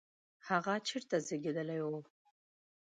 هغه چیرته زیږېدلی و؟